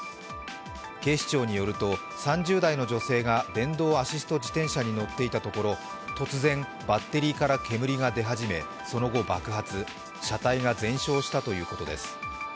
警視庁によると３０代の女性が電動アシスト自転車に乗っていたところ突然バッテリーから煙が出始め、その後、爆発、車体が全焼したということです。